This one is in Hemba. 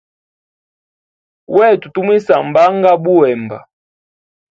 Wetu tumwisambanga buhemba.